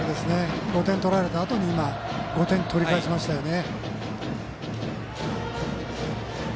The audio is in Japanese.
今は５点取られたあとに５点取り返しましたね。